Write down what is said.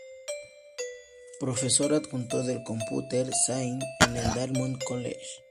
Profesor adjunto del Computer Science en el Dartmouth College.